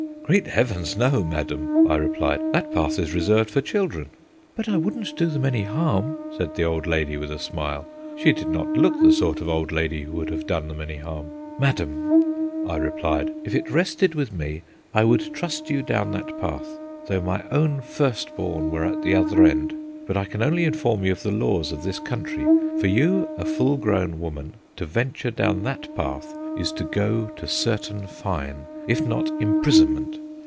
"Great heavens, no, madam!" I replied. "That path is reserved for children." "But I wouldn't do them any harm," said the old lady, with a smile. She did not look the sort of old lady who would have done them any harm. "Madam," I replied, "if it rested with me, I would trust you down that path, though my own first born were at the other end; but I can only inform you of the laws of this country. For you, a full grown woman, to venture down that path is to go to certain fine, if not imprisonment.